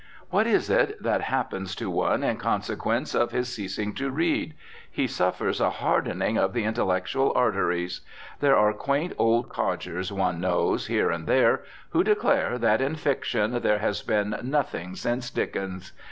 What is it that happens to one in consequence of his ceasing to read? He suffers a hardening of the intellectual arteries. There are quaint old codgers one knows here and there who declare that in fiction there has "been nothing since Dickens."